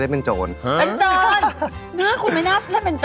เล่นเป็นครับ